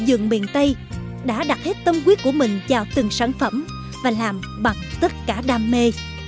dừng miền tây đã đặt hết tâm quyết của mình vào từng sản phẩm và làm bằng tất cả đam mê